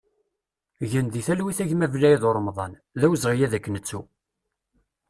Gen di talwit a gma Belaïd Uremḍan, d awezɣi ad k-nettu!